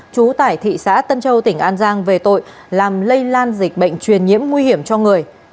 trú tại thị xã tân châu tỉnh an giang về tội làm lây lan dịch bệnh truyền nhiễm nguy hiểm cho người